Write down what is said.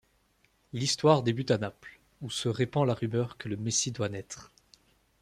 L'histoire débute à Naples, où se répand la rumeur que le Messie doit naître.